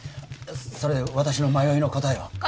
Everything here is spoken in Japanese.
それで私の迷いの答えは？